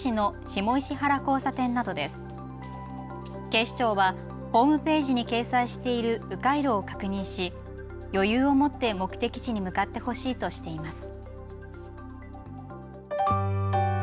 警視庁はホームページに掲載しているう回路を確認し余裕を持って目的地に向かってほしいとしています。